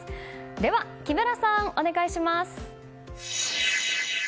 では、木村さん、お願いします。